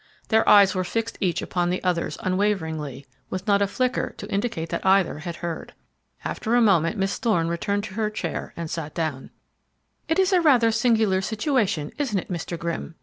Their eyes were fixed each upon the others unwaveringly, with not a flicker to indicate that either had heard. After a moment Miss Thorne returned to her chair and sat down. "It's rather a singular situation, isn't it, Mr. Grimm?"